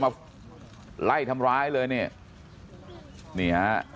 มาไล่ทำร้ายเลยเนี่ยนี่ฮะ